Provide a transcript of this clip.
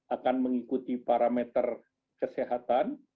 akan mengikuti parameter kesehatan